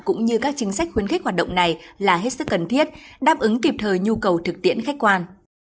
cũng như các chính sách khuyến khích hoạt động này là hết sức cần thiết đáp ứng kịp thời nhu cầu thực tiễn khách quan